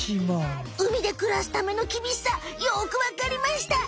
海でくらすためのきびしさよくわかりました。